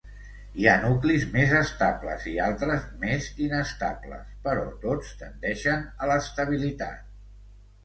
Hi ha nuclis més estables i altres més inestables però tots tendeixen a l'estabilitat.